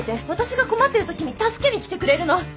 私が困ってる時に助けに来てくれるの。